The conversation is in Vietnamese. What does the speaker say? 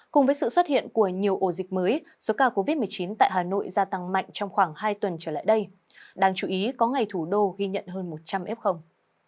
cùng với sự xuất hiện của nhiều ổ dịch mới số ca covid một mươi chín tại hà nội gia tăng mạnh trong khoảng hai tuần trở lại đây đáng chú ý có ngày thủ đô ghi nhận hơn một trăm linh f